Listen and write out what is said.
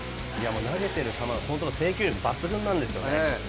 投げてる球は本当に制球力抜群なんですよね。